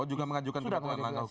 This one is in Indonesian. oh juga mengajukan di pt un langkau